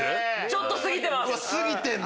ちょっと過ぎてます。